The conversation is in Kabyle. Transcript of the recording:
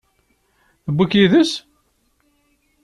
Tewwi-k yid-s?